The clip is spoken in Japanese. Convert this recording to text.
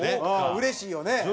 うれしいよね。